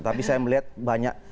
tapi saya melihat banyak